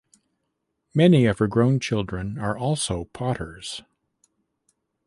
Many of her grown children are also potters.